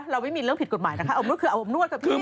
เราไม่มีเรื่องผิดกฎหมายนะคะอบนวดคืออาบอบนวดกับพี่